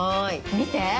見て！